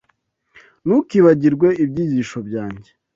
ntukibagirwe ibyigisho byanjye